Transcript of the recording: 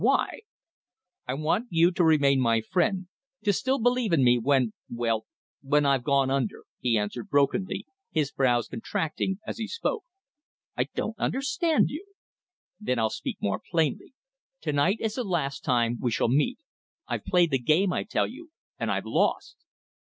Why?" "I want you to remain my friend; to still believe in me, when well when I've gone under," he answered brokenly, his brows contracting as he spoke. "I don't understand you." "Then I'll speak more plainly. To night is the last time we shall meet. I've played the game, I tell you and I've lost!"